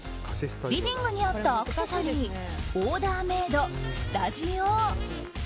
リビングにあったアクセサリーオーダーメイド、スタジオ。